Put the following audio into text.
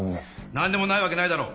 何でもないわけないだろ